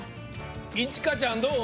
いちかちゃんどう？